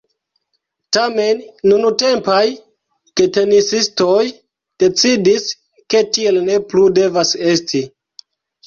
Tamen nuntempaj getenisistoj decidis, ke tiel ne plu devas esti.